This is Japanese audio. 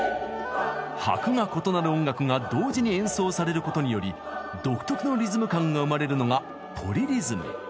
拍が異なる音楽が同時に演奏されることにより独特のリズム感が生まれるのがポリリズム。